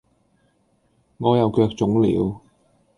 我又腳腫了